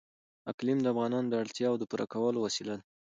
اقلیم د افغانانو د اړتیاوو د پوره کولو وسیله ده.